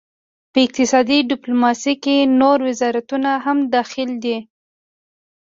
په اقتصادي ډیپلوماسي کې نور وزارتونه هم دخیل دي